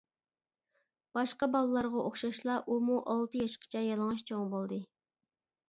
باشقا بالىلارغا ئوخشاشلا ئۇمۇ ئالتە ياشقىچە يالىڭاچ چوڭ بولدى.